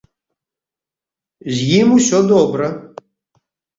З ім усё добра.